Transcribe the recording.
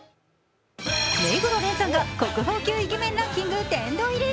目黒蓮さんが国宝級イケメンランキング殿堂入り。